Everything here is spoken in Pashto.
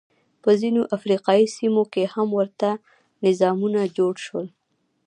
په ځینو افریقايي سیمو کې هم ورته نظامونه جوړ شول.